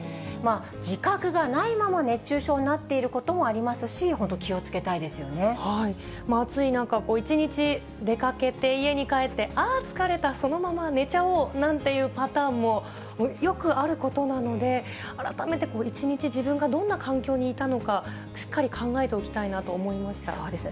自覚がないまま熱中症になっていることもありますし、本当、暑い中、一日出かけて、家に帰って、ああ、疲れた、そのまま寝ちゃおうなんていうパターンも、よくあることなので、改めて、一日、自分がどんな環境にいたのか、しっかり考えておきそうです。